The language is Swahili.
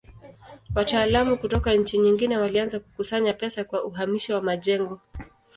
Wataalamu kutoka nchi nyingi walianza kukusanya pesa kwa uhamisho wa majengo.